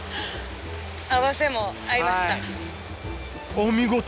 お見事！